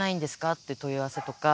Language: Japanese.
って問い合わせとか。